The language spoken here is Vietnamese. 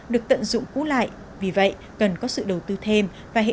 được tận dụng cú lại vì vậy cần có sự đầu tư thêm